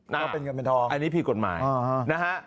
ก็เป็นเงินเป็นทองอันนี้ผิดกฎหมายนะฮะ